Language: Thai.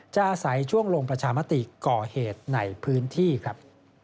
อาศัยช่วงลงประชามติก่อเหตุในพื้นที่ครับ